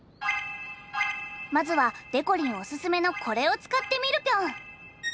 まずはでこりんおすすめのこれをつかってみるピョン！